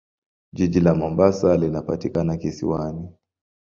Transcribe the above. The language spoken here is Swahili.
Jiji la Mombasa linapatikana kisiwani.